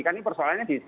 kan ini persoalannya